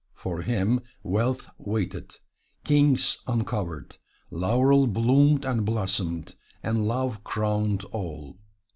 For him wealth waited, kings uncovered, laurel bloomed and blossomed, and love crowned all.